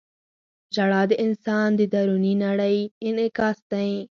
• ژړا د انسان د دروني نړۍ انعکاس دی.